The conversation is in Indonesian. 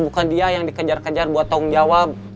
bukan dia yang dikejar kejar buat tanggung jawab